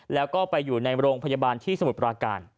แล้วก็ไปอยู่ในโรงพยาบาลที่สมุทรปราการ